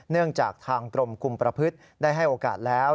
เนื่องจากทางกรมคุมประพฤติได้ให้โอกาสแล้ว